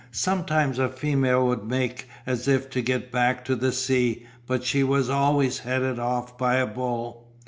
Sometimes a female would make as if to get back to the sea but she was always headed off by a bull.